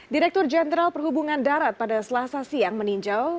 direktur jenderal perhubungan darat pada selasa siang meninjau